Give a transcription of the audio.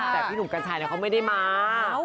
แต่พี่หนุ่มกัญชัยเขาไม่ได้มา